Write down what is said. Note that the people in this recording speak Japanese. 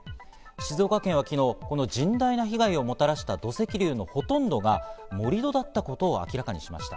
静岡県は昨日、甚大な被害をもたらした土石流のほとんどが盛り土だったことを明らかにしました。